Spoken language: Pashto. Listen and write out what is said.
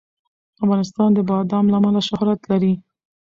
افغانستان د بادام له امله شهرت لري.